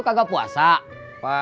kita harusnya kebun